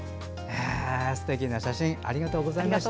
すてきな写真ありがとうございました。